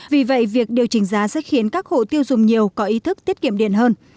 vì vậy việc điều chỉnh giá sẽ khiến các hộ tiêu dùng nhiều có ý thức tiết kiệm điện hơn